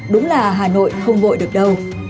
đúng là hà nội không vội được đâu